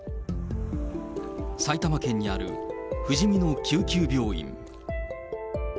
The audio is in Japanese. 埼玉県にあるふじみの救急病院。